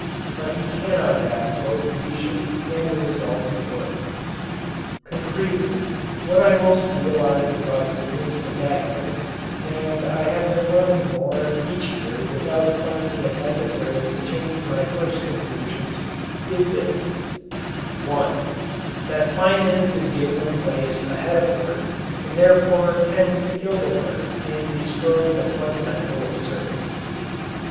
But he cannot have both leisure and the results of work. Concretely, what I most realized about business in that year and I have been learning more each year without finding it necessary to change my first conclusions is this: (1) That finance is given a place ahead of work and therefore tends to kill the work and destroy the fundamental of service.